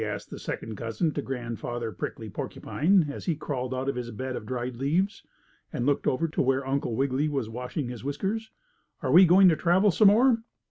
asked the second cousin to Grandfather Prickly Porcupine, as he crawled out of his bed of dried leaves, and looked over to where Uncle Wiggily was washing his whiskers. "Are we going to travel some more?"